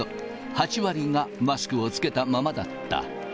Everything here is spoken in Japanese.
８割がマスクを着けたままだった。